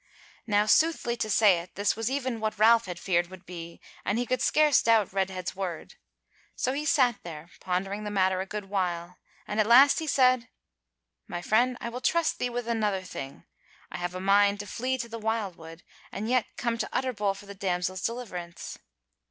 Now soothly to say it, this was even what Ralph had feared would be, and he could scarce doubt Redhead's word. So he sat there pondering the matter a good while, and at last he said: "My friend, I will trust thee with another thing; I have a mind to flee to the wildwood, and yet come to Utterbol for the damsel's deliverance."